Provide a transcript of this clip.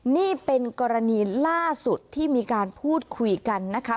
นี่เป็นกรณีล่าสุดที่มีการพูดคุยกันนะคะ